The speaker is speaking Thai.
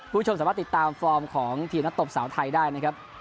คุณผู้ชมสามารถติดตามฟอร์มของทีมนักตบสาวไทยได้นะครับ